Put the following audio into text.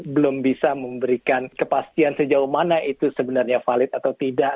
belum bisa memberikan kepastian sejauh mana itu sebenarnya valid atau tidak